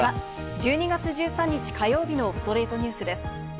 １２月１３日、火曜日の『ストレイトニュース』です。